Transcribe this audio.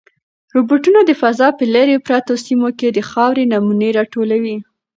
روبوټونه د فضا په لیرې پرتو سیمو کې د خاورې نمونې راټولوي.